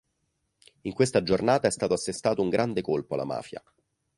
In questa giornata è stato assestato un grande colpo alla mafia.